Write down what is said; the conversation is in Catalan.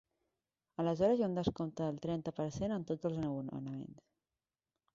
Aleshores hi ha un descompte del trenta per cent en tots els abonaments.